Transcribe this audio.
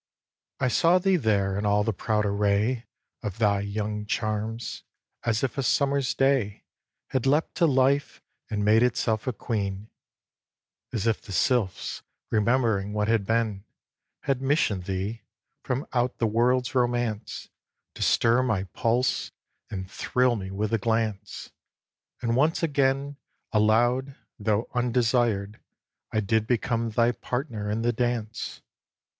v. I saw thee there in all the proud array Of thy young charms, as if a summer's day Had leapt to life and made itself a queen, As if the sylphs, remembering what had been, Had mission'd thee, from out the world's romance, To stir my pulse, and thrill me with a glance: And once again, allow'd, though undesired, I did become thy partner in the dance.